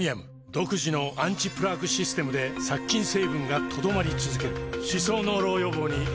独自のアンチプラークシステムで殺菌成分が留まり続ける歯槽膿漏予防にプレミアム